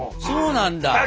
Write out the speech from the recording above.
そうなんだ。